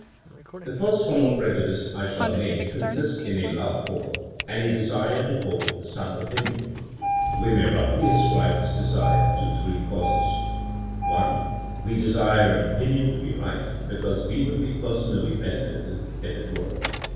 The first form of prejudice I shall 104 THINEINO AS A 80IEN0E name consists in a love for, and a desire to hold, some opinion. We may roughly ascribe this de sire to three causes : (1) We desire an opinion to be right because we would be personally benefited if it were.